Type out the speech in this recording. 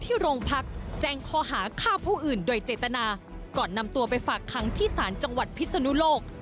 โรงพักแจ้งข้อหาฆ่าผู้อื่นโดยเจตนาก่อนนำตัวไปฝากคังที่ศาลจังหวัดพิศนุโลก